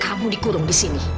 kamu dikurung di sini